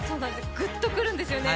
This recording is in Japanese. ぐっとくるんですよね